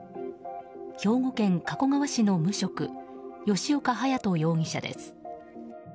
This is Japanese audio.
兵庫県加古川市の無職吉岡隼人容疑者です。